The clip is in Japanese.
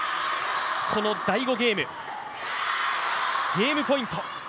この第５ゲーム、ゲームポイント。